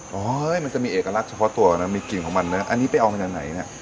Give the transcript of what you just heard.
เฮ้ยมันจะมีเอกลักษณ์เฉพาะตัวนะมีกลิ่นของมันนะอันนี้ไปเอามาจากไหนเนี่ย